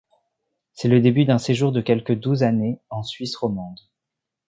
C'est le début d'un séjour de quelque douze années en Suisse romande.